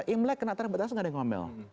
imlek kena tarikh batas atas gak ada yang ngomel